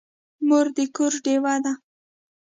مور د کور ډېوه ده.